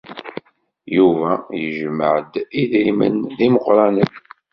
Yuba yejmeɛ-d idrimen d imeqranen.